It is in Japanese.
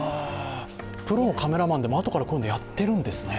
プロのカメラマンでも、あとからこういうのやってるんですね。